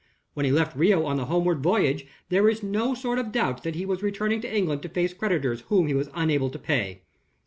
When he left Rio on the homeward voyage, there is no sort of doubt that he was returning to England to face creditors whom he was unable to pay.